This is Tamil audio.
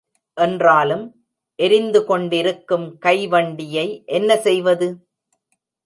என்றாலும், எரிந்து, கொண்டிருக்கும் கை வண்டியை என்ன செய்வது?